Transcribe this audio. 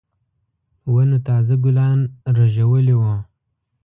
ونو تازه ګلان رېژولي وو.